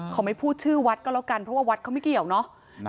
ไม่พูดชื่อวัดก็แล้วกันเพราะว่าวัดเขาไม่เกี่ยวเนอะ